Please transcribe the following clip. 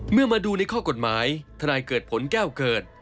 เมื่อมาดูในข้อกฎหมายทนายเกิดผลแก้วเกิด